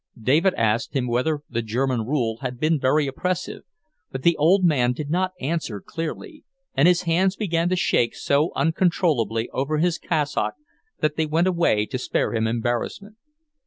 David asked him whether the German rule had been very oppressive, but the old man did not answer clearly, and his hands began to shake so uncontrollably over his cassock that they went away to spare him embarrassment.